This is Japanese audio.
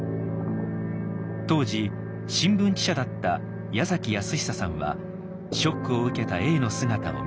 当時新聞記者だった矢崎泰久さんはショックを受けた永の姿を見ていました。